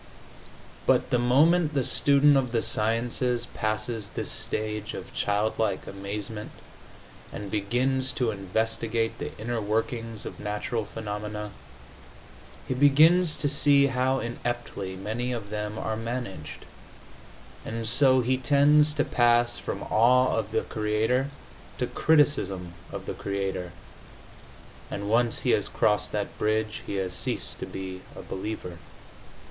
But the moment the student of the sciences passes this stage of childlike amazement and begins to investigate the inner workings of natural phenomena, he begins to see how ineptly many of them are managed, and so he tends to pass from awe of the Creator to criticism of the Creator, and once he has crossed that bridge he has ceased to be a believer.